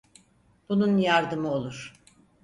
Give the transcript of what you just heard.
Bunun yardımı olur.